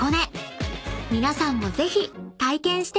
［皆さんもぜひ体験してみてください］